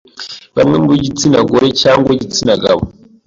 Bamwe mu b’igitsina gore cyangwa igitsina gabo